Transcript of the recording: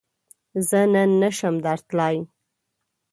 زۀ نن نشم درتلای